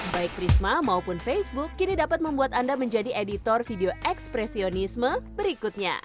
baik risma maupun facebook kini dapat membuat anda menjadi editor video ekspresionisme berikutnya